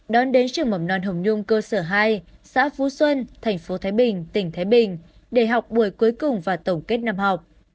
đón đến trường mầm non hồng nhung cơ sở hai xã phú xuân thành phố thái bình tỉnh thái bình để học buổi cuối cùng và tổng kết năm học